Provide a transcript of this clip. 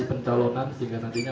pencalonan sehingga nantinya